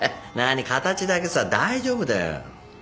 なぁに形だけさ大丈夫だよ。